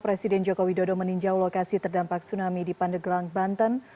presiden joko widodo meninjau lokasi terdampak tsunami di pandeglang banten